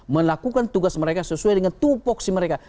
melakukan tugas mereka sesuai dengan tu foksi mereka